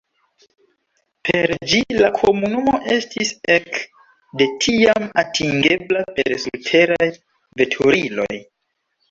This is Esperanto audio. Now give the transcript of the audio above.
Per ĝi la komunumo estis ek de tiam atingebla per surteraj veturiloj.